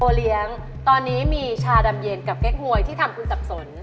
เลี้ยงตอนนี้มีชาดำเย็นกับเก๊กหวยที่ทำคุณสับสน